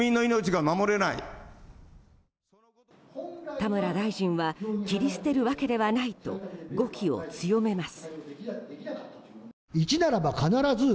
田村大臣は切り捨てるわけではないと語気を強めます。